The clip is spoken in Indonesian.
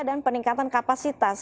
dan peningkatan kapasitas